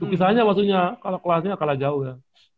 lukisannya maksudnya kalau kelasnya kalah jauh ya